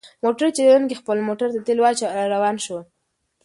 موټر چلونکي خپل موټر ته تیل واچول او روان شو.